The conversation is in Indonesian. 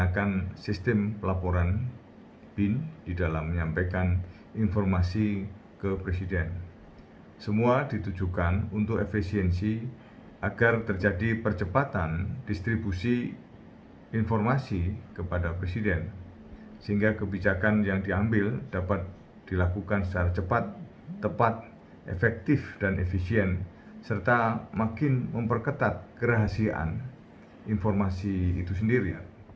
kepada presiden sehingga kebijakan yang diambil dapat dilakukan secara cepat tepat efektif dan efisien serta makin memperketat kerahasiaan informasi itu sendiri